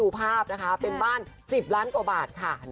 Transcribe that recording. เป็นบ้าน๑๐ล้านกว่าบาท